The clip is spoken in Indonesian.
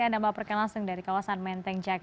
ada mbak perken langsung dari kawasan menteng jagat